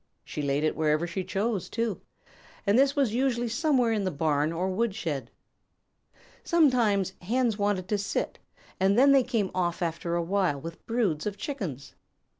She laid it wherever she chose, too, and this was usually somewhere in the barn or woodshed. Sometimes Hens wanted to sit, and then they came off after a while with broods of Chickens.